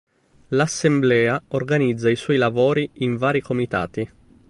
L'assemblea organizza i suoi lavori in vari comitati.